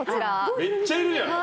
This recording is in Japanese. めっちゃいるじゃん。